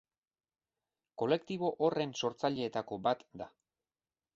Kolektibo horren sortzaileetako bat da.